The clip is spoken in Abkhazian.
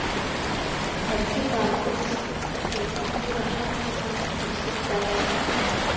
Баргьы баакылсхт еиҭа, бгәырраҳаҭгаха, быԥсыртәагаха!